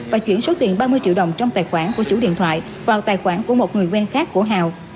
và chuyển số tiền ba mươi triệu đồng trong tài khoản của chủ điện thoại vào tài khoản của một người quen khác của hào